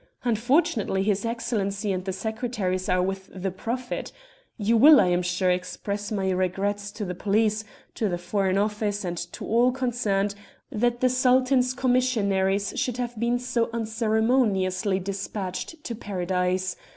Unfortunately his Excellency and the secretaries are with the Prophet. You will, I am sure, express my regrets to the police, to the Foreign Office, and to all concerned, that the Sultan's commissionaries should have been so unceremoniously despatched to Paradise.